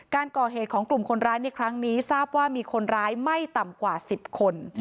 การก่อเหตุของกลุ่มคนร้ายในครั้งนี้ทราบว่ามีคนร้ายไม่ต่ำกว่า๑๐คน